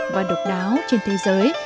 và độc đáo trên thế giới